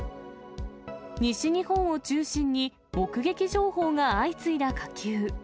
西日本を中心に、目撃情報が相次いだ火球。